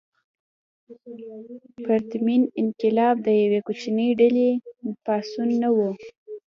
پرتمین انقلاب د یوې کوچنۍ ډلې پاڅون نه و.